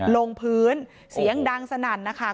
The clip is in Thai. ลงพื้นเสียงดังสนั่นนะคะ